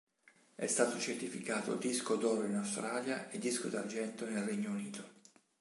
È stato certificato disco d'oro in Australia e disco d'argento nel Regno Unito.